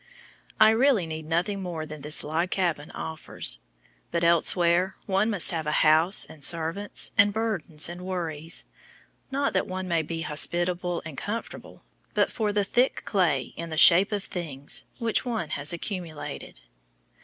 I REALLY need nothing more than this log cabin offers. But elsewhere one must have a house and servants, and burdens and worries not that one may be hospitable and comfortable, but for the "thick clay" in the shape of "things" which one has accumulated.